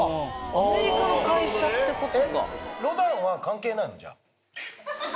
アメリカの会社ってことか。